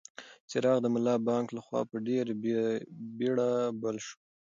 څراغ د ملا بانګ لخوا په ډېرې بېړه بل شو.